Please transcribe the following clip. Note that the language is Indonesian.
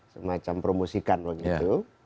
semacam promosikan waktu itu